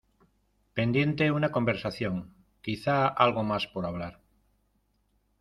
Pendiente una conversación, quizá algo más por hablar.